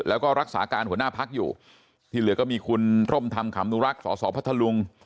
แล้วก็รักษาการหัวหน้าพักอยู่ที่เหลือก็มีคุณร่มธรรมขำนุรักษ์สสพัทธลุง